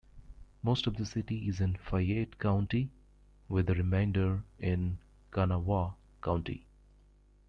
Most of the city is in Fayette County, with the remainder in Kanawha County.